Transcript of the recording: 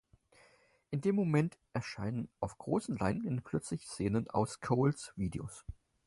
In dem Moment erscheinen auf großen Leinwänden plötzlich Szenen aus Coles Videos.